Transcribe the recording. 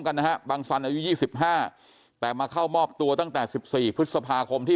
กันนะฮะบังสันอายุ๒๕แต่มาเข้ามอบตัวตั้งแต่๑๔พฤษภาคมที่